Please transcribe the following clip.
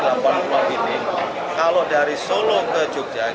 kalau dari solo ke jogja